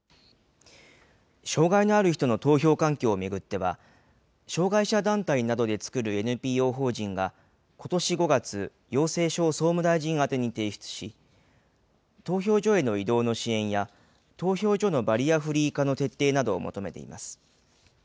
障害のある人の投票環境を巡っては、障害者団体などで作るＮＰＯ法人がことし５月、要請書を総務大臣宛てに提出し、投票所への移動の支援や、投票所のバリアフリー化の徹底などを求めています。